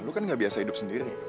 lu kan gak biasa hidup sendiri